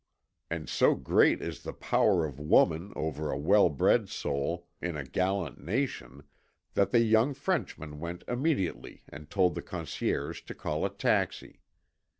And so great is the power of woman over a well bred soul, in a gallant nation, that the young Frenchman went immediately and told the concierge to call a taxi.